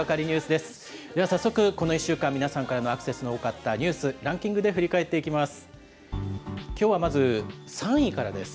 では早速、この１週間、皆さんからのアクセスの多かったニュース、ランキングで振り返っていきます。